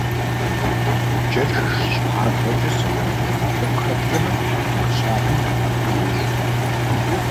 Джэшыр щыбгъавэкӀэ сэхуран дагъэ тӀэкӀу хэпкӀэмэ, нэхъ щаби, нэхъ ӀэфӀи ещӀ.